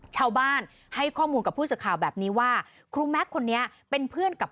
ชาวบ้านให้ข้อมูลกับผู้สื่อข่าวแบบนี้ว่าครูแม็กซ์คนนี้เป็นเพื่อนกับ